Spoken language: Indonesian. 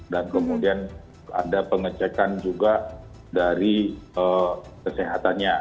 dan kemudian ada pengecekan juga dari kesehatannya